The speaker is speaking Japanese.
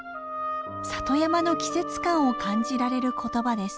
里山の季節感を感じられることばです。